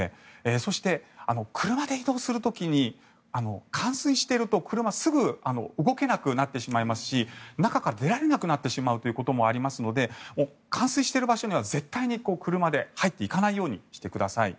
そして、車で移動する時に冠水していると動けなくなりますし中から出られなくなってしまうこともあるので冠水している場所には絶対に車で入っていかないようにしてください。